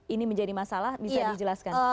ini menjadi masalah bisa dijelaskan